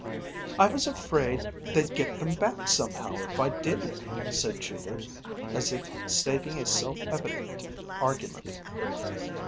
"I was afraid they'd get them back somehow if I didn't," said Judith, as if stating a self evident argument.